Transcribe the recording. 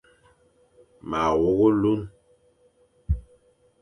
Ma wogh olune.